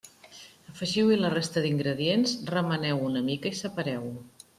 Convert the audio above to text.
Afegiu-hi la resta d'ingredients, remeneu-ho una mica i separeu-ho.